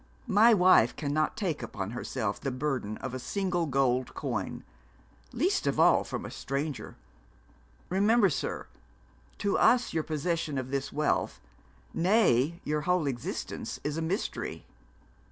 'My wife cannot take upon herself the burden of a single gold coin least of all from a stranger. Remember, sir, to us your possession of this wealth nay, your whole existence is a mystery.'